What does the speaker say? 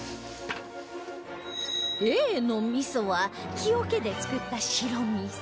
Ａ の味噌は木桶で作った白味噌